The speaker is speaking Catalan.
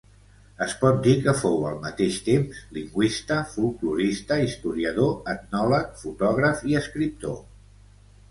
Es pot dir que fou al mateix temps lingüista, folklorista, historiador, etnòleg, fotògraf i escriptor.